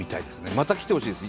また来てほしいです